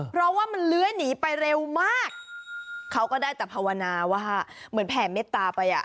เพราะว่ามันเลื้อยหนีไปเร็วมากเขาก็ได้แต่ภาวนาว่าเหมือนแผ่เม็ดตาไปอ่ะ